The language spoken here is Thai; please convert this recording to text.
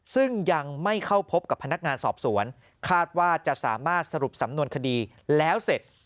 ซึ่งยังไม่เข้าพบกับพนักงานสอบสวนคาดว่าจะสามารถสรุปสำนวนคดีแล้วเสร็จ